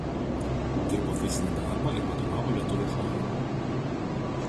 Dirbo fizinį darbą ir vadovavo lietuvių chorui.